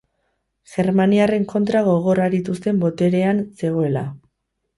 Germaniarren kontra gogor aritu zen boterean zegoela.